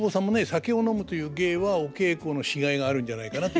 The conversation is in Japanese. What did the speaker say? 酒を飲むという芸はお稽古のしがいがあるんじゃないかなというふうに。